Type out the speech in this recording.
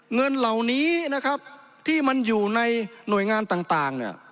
เงินเหล่านี้นะครับที่มันอยู่ในหน่วยงานต่างเนี่ย